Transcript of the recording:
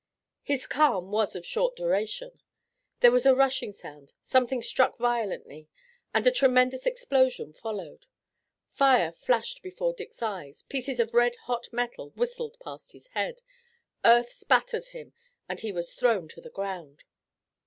His calm was of short duration. There was a rushing sound, something struck violently, and a tremendous explosion followed. Fire flashed before Dick's eyes, pieces of red hot metal whistled past his head, earth spattered him and he was thrown to the ground.